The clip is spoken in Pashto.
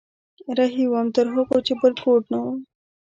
رهي وم تر هغو چې بل کور نه و